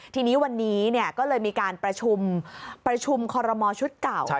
ทีนี้วันนี้ก็เลยมีการประชุมประชุมคันละมองชุดเก่า